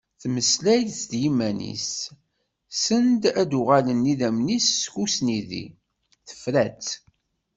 Temmeslay d yimman-is send a d-uɣalen idammen-is deg usnidi, tefra-tt…